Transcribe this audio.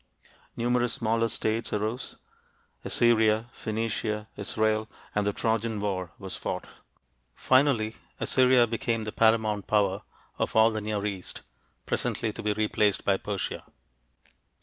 Numerous smaller states arose Assyria, Phoenicia, Israel and the Trojan war was fought. Finally Assyria became the paramount power of all the Near East, presently to be replaced by Persia.